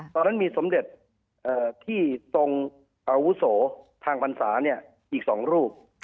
ตอนนั้นมีสมเด็จที่ทรงอาวุโสทางพรรษาอีก๒รูป